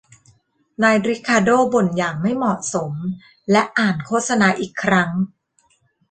นายริคาร์โด้บ่นอย่างไม่เหมาะสมและอ่านโฆษณาอีกครั้ง